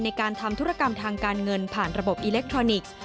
ในการทำธุรกรรมทางการเงินผ่านระบบอิเล็กทรอนิกส์